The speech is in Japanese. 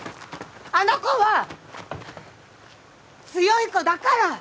あの子は強い子だから！